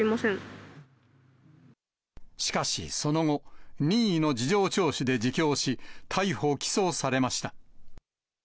しかしその後、任意の事情聴取で自供し、逮捕・起訴されました。